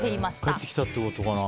帰ってきたってことかな？